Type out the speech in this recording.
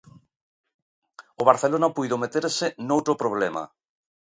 O Barcelona puido meterse noutro problema.